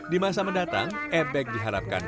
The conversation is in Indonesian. di masa mendatang ebek diharapkan